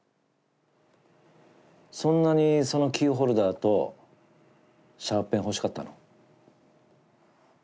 そんなにそのキーホルダーとシャーペン欲しかったの？